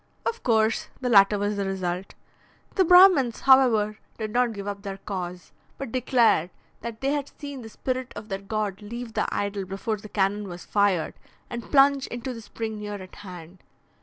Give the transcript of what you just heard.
Of course; the latter was the result. The Brahmins, however, did not give up their cause, but declared that they had seen the spirit of their god leave the idol before the cannon was fired, and plunge into the spring near at hand.